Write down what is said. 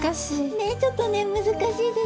ねえちょっとねむずかしいですよね。